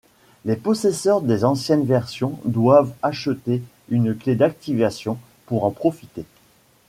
Les possesseurs des anciennes versions doivent acheter une clé d'activation pour en profiter.